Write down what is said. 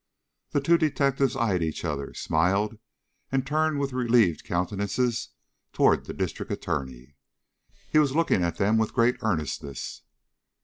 The two detectives eyed each other, smiled, and turned with relieved countenances toward the District Attorney. He was looking at them with great earnestness.